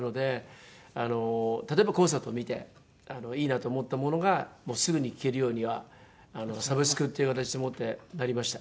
例えばコンサートを見ていいなと思ったものがすぐに聴けるようにはサブスクっていう形でもってなりました。